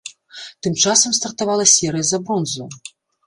Тым часам стартавала серыя за бронзу.